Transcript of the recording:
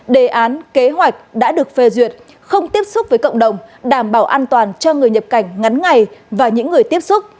đề án kế hoạch đã được phê duyệt không tiếp xúc với cộng đồng đảm bảo an toàn cho người nhập cảnh ngắn ngày và những người tiếp xúc